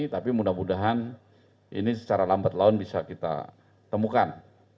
tapi mudah mudahan ini secara lambat laun bisa kita temukan